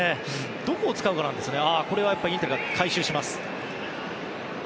どこを使うかなんですよね。